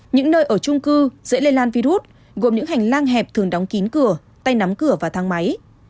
những nơi ở trung cư dễ lây lan virus gồm những hành lang hẹp thường đóng kín cửa tay nắm cửa và thang máy